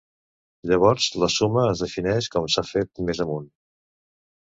Llavors la suma es defineix com s'ha fet més amunt.